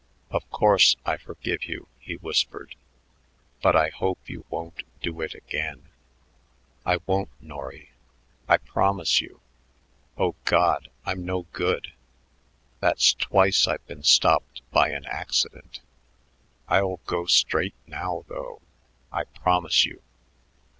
"Of course, I forgive you," he whispered, "but I hope you won't do it again." "I won't, Norry. I promise you. Oh, God, I'm no good. That's twice I've been stopped by an accident. I'll go straight now, though; I promise you."